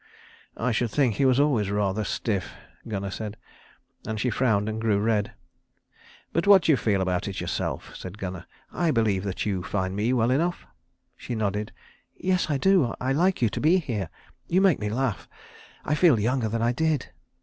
"I should think he was always rather stiff," Gunnar said, and she frowned and grew red. "But what do you feel about it yourself?" said Gunnar. "I believe that you find me well enough." She nodded. "Yes, I do. I like you to be here. You make me laugh. I feel younger than I did."